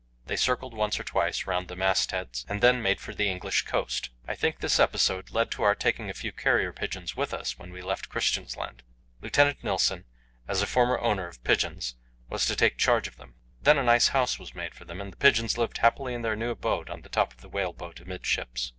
They circled once or twice round the mast heads, and then made for the English coast. I think this episode led to our taking a few carrier pigeons with us when we left Christiansand; Lieutenant Nilsen, as a former owner of pigeons, was to take charge of them. Then a nice house was made for them, and the pigeons lived happily in their new abode on the top of the whale boat amidships.